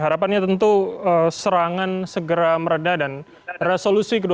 harapannya tentu serangan segera meredah dan resolusi ke dua belas